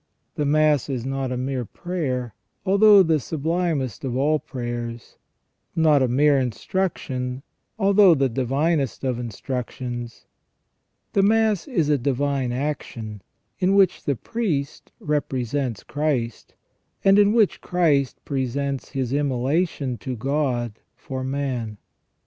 The Mass is not a mere prayer, although the sublimest of all prayers ; not a mere instruction, although the divinest of instructions ; the Mass is a divine action in which the priest represents Christ, and in which Christ presents His immolation to God for man.